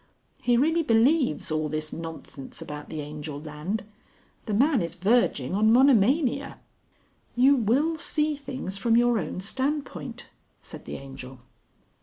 He really believes all this nonsense about the Angel land. The man is verging on monomania!" "You will see things from your own standpoint," said the Angel.